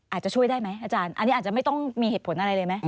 อาจจะช่วยได้ไหมอาจารย์อันนี้อาจจะไม่ต้องมีเหตุผลอะไรเลยไหม